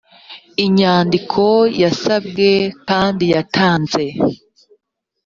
inyandiko yasabwe kandi yatanze